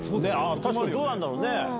確かに、どうなんだろうね。